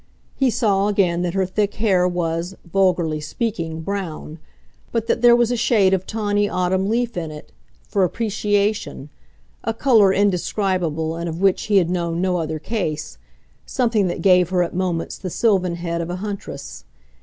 He saw again that her thick hair was, vulgarly speaking, brown, but that there was a shade of tawny autumn leaf in it, for "appreciation" a colour indescribable and of which he had known no other case, something that gave her at moments the sylvan head of a huntress.